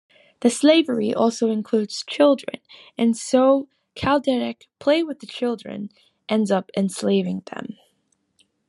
The slavery also includes children, and so Kelderek Play-With-The-Children ends up enslaving them.